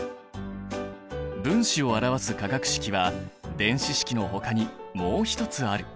分子を表す化学式は電子式のほかにもう一つある。